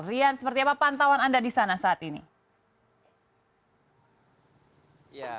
rian seperti apa pantauan anda di sana saat ini